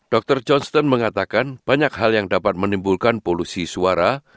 dr johnston mengatakan banyak hal yang dapat menimbulkan polusi suara